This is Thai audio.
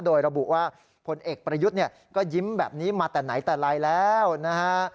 โดยระบุว่าผลเอกประยุทธ์เนี่ยก็ยิ้มแบบนี้มาแต่ไหนแต่ไรแล้วนะฮะ